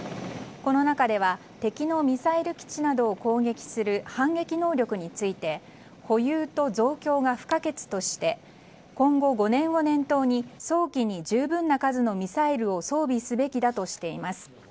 この中では敵のミサイル基地などを攻撃する反撃能力について保有と増強が不可欠として今後５年を念頭に早期に十分な数のミサイルを装備すべきだとしています。